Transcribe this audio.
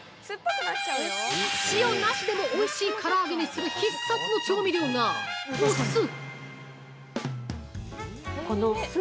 ◆塩なしでもおいしいから揚げにする必殺の調味料が「お酢」。